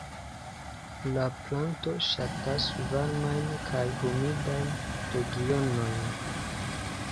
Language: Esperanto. La planto ŝatas varmajn kaj humidajn regionojn.